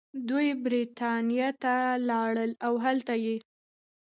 دوي برطانيه ته لاړل او هلتۀ ئې